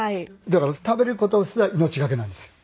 だから食べる事すら命懸けなんですよ。